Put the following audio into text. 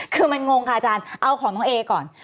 คือมันงงค่ะอาจารย์เอาของน้องเอก่อน